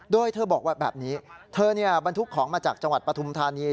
โดยเธอบอกว่าแบบนี้เธอบรรทุกของมาจากจังหวัดปฐุมธานี